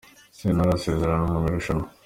Sentore asezererwa mw’irushanwa